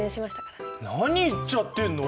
何言っちゃってんの？